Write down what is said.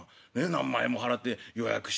何万円も払って予約してですよ